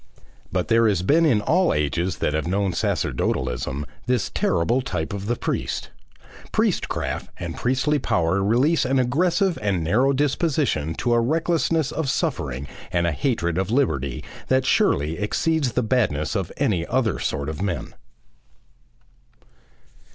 But there has been in all ages that have known sacerdotalism this terrible type of the priest; priestcraft and priestly power release an aggressive and narrow disposition to a recklessness of suffering and a hatred of liberty that surely exceeds the badness of any other sort of men.